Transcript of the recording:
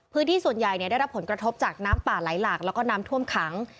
พื้นที่ส่วนใหญ่ได้รับผลกระทบจากน้ำป่าไหลหลากแล้วก็น้ำท่วมขัง